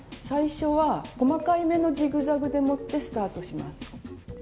最初は細かい目のジグザグでもってスタートします。